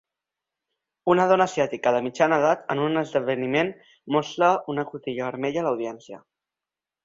Una dona asiàtica de mitjana edat en un esdeveniment mostra una cotilla vermella a l'audiència.